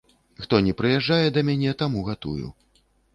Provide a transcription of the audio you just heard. Хто ні прыязджае да мяне, таму гатую.